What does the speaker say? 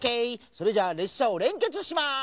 それじゃあれっしゃをれんけつします！